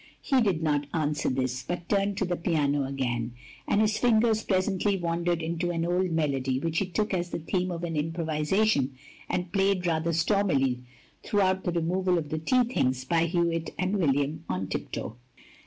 He did not answer this, but turned to the piano again, and his fingers presently wandered into an old melody, which he took as the theme of an improvisation, and played rather stormily throughout the removal of the tea things — ^by Hewitt and William on tiptoe.